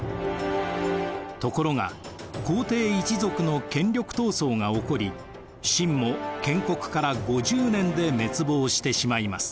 ところが皇帝一族の権力闘争が起こり晋も建国から５０年で滅亡してしまいます。